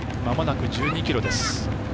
まもなく１２ｋｍです。